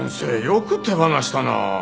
よく手放したな。